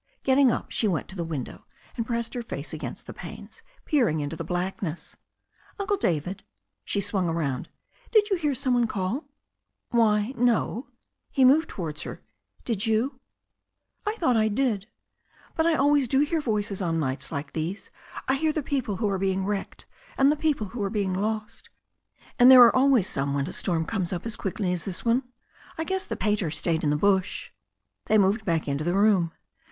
Getting up, she went to the window, and pressed her face lagainst the panes, peering into the blackness. "Uncle David," she swung around, "did you hear some one call?" "Why, no." He moved towards her. "Did you?" "I thought I did. But I always do hear voices on nights like these. I hear the people who are being wrecked and the people who are being lost. And there are always some when a storm comes up as quickly as this one. I guess the pater stayed in the bush." They moved back into the room.